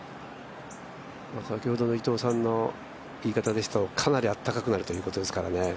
先ほどの伊藤さんの言い方ですと、かなり暖かくなるということですからね。